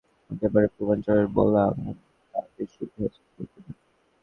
দক্ষিণাঞ্চলের ব্যাটিং দশা দেখে মনে হতে পারে পূর্বাঞ্চলের বোলিংটা বুঝি হয়েছে খুব দুর্দান্ত।